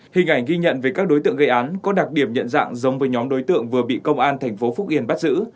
hình ảnh ghi nhận về các đối tượng gây án có đặc điểm nhận dạng giống với nhóm đối tượng vừa bị công an thành phố phúc yên bắt giữ